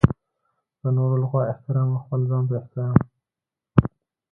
د نورو لخوا احترام او خپل ځانته احترام.